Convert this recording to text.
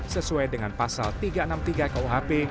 sesuai dengan pasal tiga ratus enam puluh tiga kuhp